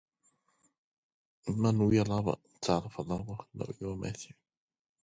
After the war there were four more new designs, mostly improvements of earlier types.